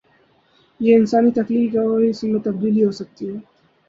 یہ انسانی تخلیق ہے اور اس میں تبدیلی ہو سکتی ہے۔